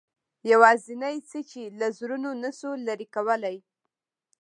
یوازینۍ څه چې له زړونو نه شو لرې کولای.